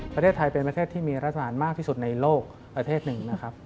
ประเทศไทยเป็นประเทศที่มีรัฐบาลมากที่สุดในโลกประเทศหนึ่งนะครับ